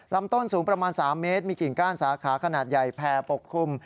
ลำต้นสูงประมาณ๓เมตรมีกิ่งก้านสาขาขนาดใหญ่แผ่ปกคลุม